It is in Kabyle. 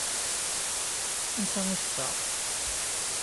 Ansa i teffeɣ?